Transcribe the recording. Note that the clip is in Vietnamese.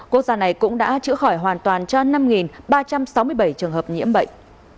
quốc gia này cũng đã chữa khỏi hoàn toàn cho năm ba trăm sáu mươi bảy trường hợp nhiễm bệnh